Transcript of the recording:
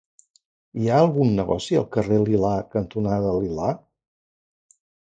Hi ha algun negoci al carrer Lilà cantonada Lilà?